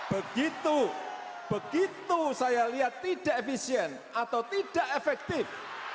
begitu begitu saya lihat tidak efisien atau tidak efektif